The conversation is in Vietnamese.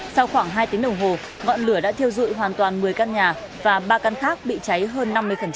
sau khoảng hai tiếng đồng hồ ngọn lửa đã thiêu dụi hoàn toàn một mươi căn nhà và ba căn khác bị cháy hơn năm mươi